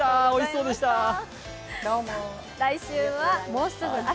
来週は「もうすぐ秋！